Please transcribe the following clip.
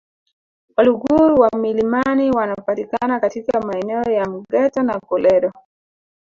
Waluguru wa milimani wanapatikana katika maeneo ya Mgeta na Kolero